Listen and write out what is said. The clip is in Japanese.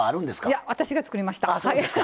いや私が作りました。